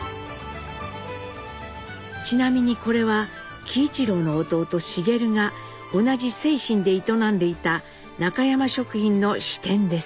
ちなみにこれは喜一郎の弟茂が同じ清津で営んでいた中山食品の支店です。